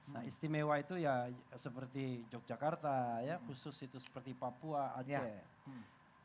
nah istimewa itu ya seperti yogyakarta khusus itu seperti papua aceh